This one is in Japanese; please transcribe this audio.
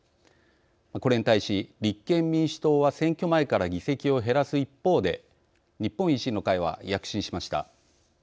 これに対し立憲民主党は選挙前から議席を減らす一方で日本維新の会は躍進しました。